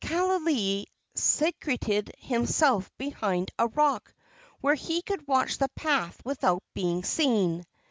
Kaaialii secreted himself behind a rock, where he could watch the path without being seen.